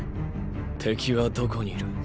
敵はどこにいる。